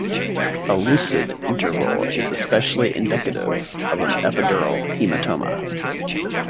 A lucid interval is especially indicative of an epidural hematoma.